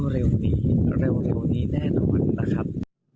เร็วนี้เร็วนี้แน่นอนนะครับ